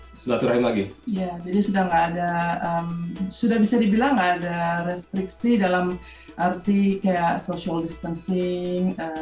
jadi sudah tidak ada sudah bisa dibilang tidak ada restriksi dalam arti kayak social distancing